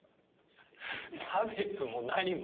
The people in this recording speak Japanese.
差別も何も。